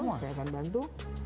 betul saya akan bantu